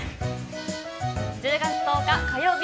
１０月１０日火曜日